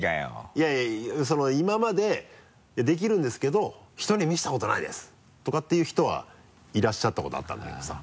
いやいやその今まで「できるんですけど人に見せたことないです」とかって言う人はいらっしゃったことあったんだけどさ。